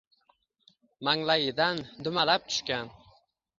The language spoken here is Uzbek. Manglayidan. dumalab tushgan